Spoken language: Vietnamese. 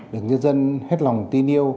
được nhân dân hết lòng tin yêu